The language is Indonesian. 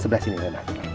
sebelah sini rena